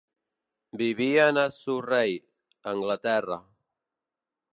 Vivien a Surrey, Anglaterra.